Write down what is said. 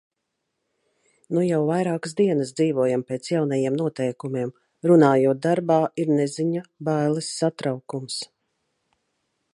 Nu jau vairākas dienas dzīvojam pēc jaunajiem noteikumiem. Runājot darbā, ir neziņa, bailes, satraukums.